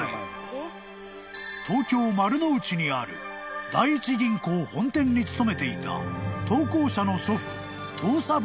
［東京丸の内にある第一銀行本店に勤めていた］